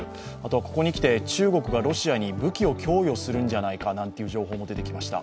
ここに来て中国がロシアに武器を供与するんじゃないかという情報も出てきました。